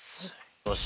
よし。